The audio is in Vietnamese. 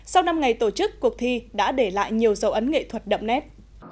sau năm ngày tổ chức cuộc thi đã để lại nhiều dấu ấn nghệ thuật đậm nét